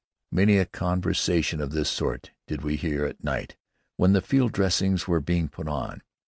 Many a conversation of this sort did we hear at night when the field dressings were being put on.